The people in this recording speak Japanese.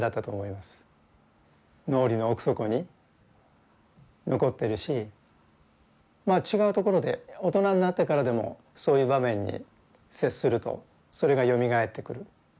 脳裏の奥底に残っているし違うところで大人になってからでもそういう場面に接するとそれがよみがえってくる。